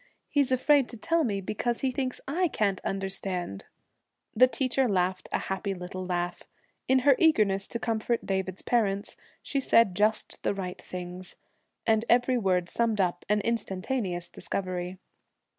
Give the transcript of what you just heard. He's afraid to tell me because he thinks I can't understand.' The teacher laughed a happy little laugh. In her eagerness to comfort David's parents, she said just the right things, and every word summed up an instantaneous discovery.